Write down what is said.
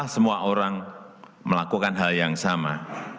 semua orang melakukan hal yang sama